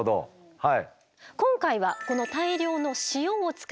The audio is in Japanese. はい。